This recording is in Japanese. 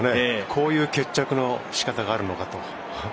こういう決着のしかたがあるのかと。